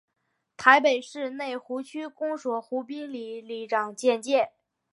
台北市内湖区公所湖滨里里长简介